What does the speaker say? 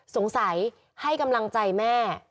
สงสัยให้กำลังใจแม่